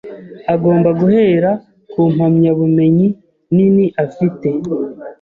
agomba guhera ku mpamyabumenyi nini afite